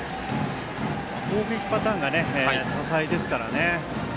攻撃パターンが多彩ですからね。